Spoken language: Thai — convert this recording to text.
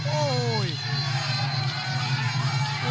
โอ้โห